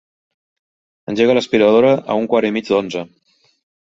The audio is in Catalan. Engega l'aspiradora a un quart i mig d'onze.